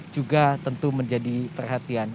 juga tentu menjadi perhatian